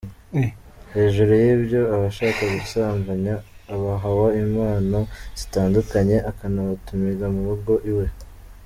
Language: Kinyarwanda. Hejuru y’ibyo abo ashaka gusambaya abahawa impano zitandukanye akanabutimira mu rugo iwe.